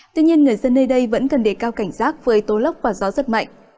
tuy nhiên người dân nơi đây vẫn cần đề cao cảnh giác với tố lốc và gió rất mạnh